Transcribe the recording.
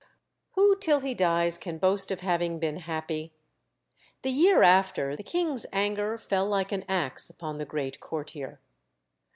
Who till he dies can boast of having been happy? The year after, the king's anger fell like an axe upon the great courtier.